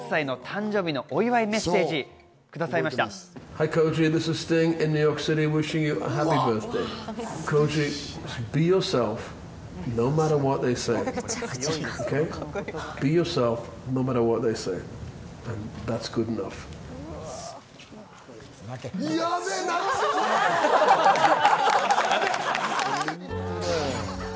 さらに加藤さんに５０歳の誕生日のお祝いメッセージくださいました。